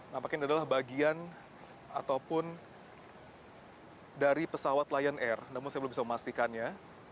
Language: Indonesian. nampaknya adalah bagian ataupun dari pesawat lion air namun saya belum bisa memastikannya